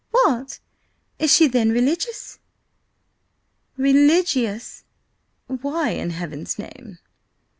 "What! Is she then religieuse?" "Religieuse! Why, in heaven's name?"